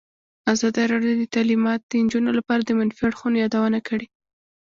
ازادي راډیو د تعلیمات د نجونو لپاره د منفي اړخونو یادونه کړې.